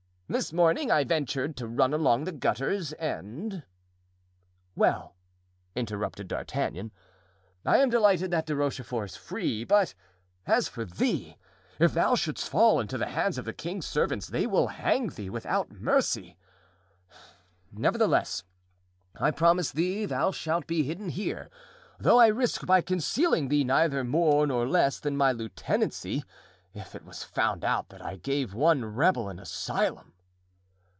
This morning I ventured to run along the gutters and——" "Well," interrupted D'Artagnan, "I am delighted that De Rochefort is free, but as for thee, if thou shouldst fall into the hands of the king's servants they will hang thee without mercy. Nevertheless, I promise thee thou shalt be hidden here, though I risk by concealing thee neither more nor less than my lieutenancy, if it was found out that I gave one rebel an asylum."